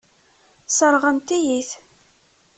Sseṛɣent-iyi-t.